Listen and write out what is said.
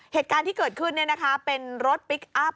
เหตุการณ์ที่เกิดขึ้นเป็นรถพลิกอัพ